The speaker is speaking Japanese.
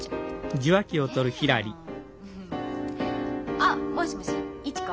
あっもしもし市子？